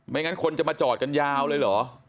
งั้นคนจะมาจอดกันยาวเลยเหรอ